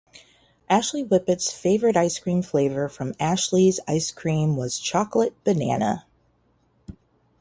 Ashley Whippet's favorite ice cream flavor from Ashley's Ice Cream was chocolate banana.